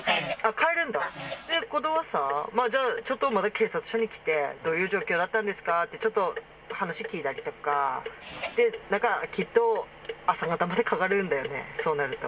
帰るんだ？ってことはさ、ちょっとまた警察署に来て、どういう状況だったんですかって、ちょっと話聴いたりとか、なんか、きっと、朝方までかかるんだよね、そうなると。